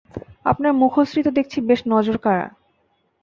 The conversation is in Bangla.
আপনার মুখশ্রী তো দেখছি বেশ নজরকাড়া!